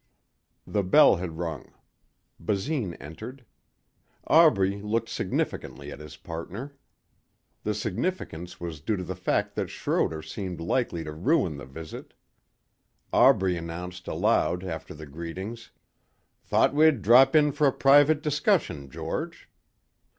The bell had rung. Basine entered. Aubrey looked significantly at his partner. The significance was due to the fact that Schroder seemed likely to ruin the visit. Aubrey announced aloud after the greetings: "Thought we'd drop in for a private discussion, George."